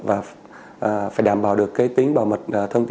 và phải đảm bảo được cái tính bảo mật thông tin của công dân